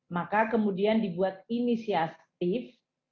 maka kemudian dibuat inisiatif